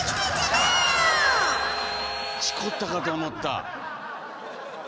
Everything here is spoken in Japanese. チコったかと思った。